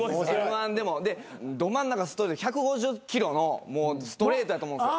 ど真ん中１５０キロのストレートやと思うんですよ。